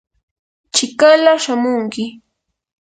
chikala shamunki.